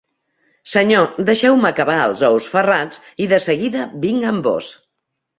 Senyor! deixeu-me acabar els ous ferrats i de seguida vinc amb vós.